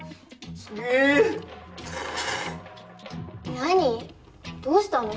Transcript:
何、どうしたの？